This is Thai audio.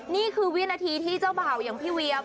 นี่คือวินาทีที่เจ้าบ่าวอย่างพี่เวียม